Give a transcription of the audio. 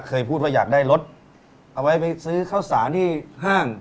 เคยพูดว่าอยากได้รถเอาไว้ไปซื้อข้าวสารที่ห้าง